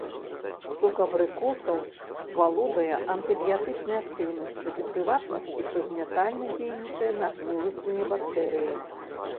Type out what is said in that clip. Сок абрыкосаў валодае антыбіятычнай актыўнасцю, у прыватнасці, прыгнятальна дзейнічае на гніласныя бактэрыі.